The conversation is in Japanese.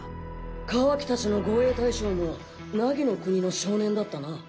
カワキたちの護衛対象も凪の国の少年だったな。